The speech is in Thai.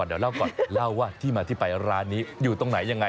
เดี๋ยวเล่าก่อนเล่าว่าที่มาที่ไปร้านนี้อยู่ตรงไหนยังไง